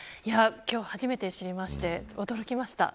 今日初めて知りまして驚きました。